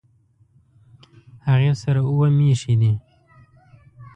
هغې سره اووه مېښې دي